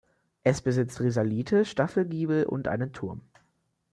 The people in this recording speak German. Es besitzt Risalite, Staffelgiebel und einen Turm.